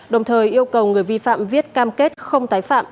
đồng thời yêu cầu người vi phạm viết cam kết không tái phạm